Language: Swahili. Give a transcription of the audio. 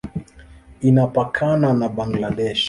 Inapakana na Bangladesh.